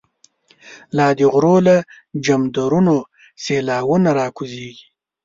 لا دغرو له جمدرونو، سیلاوونه ر ا کوزیږی